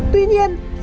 tuy nhiên trong bối cảnh